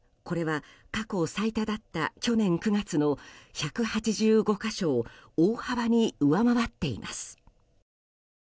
これは、過去最多だった去年９月の１８５か所を大幅に上回っています。